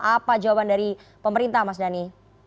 apa jawaban dari pemerintah mas dhani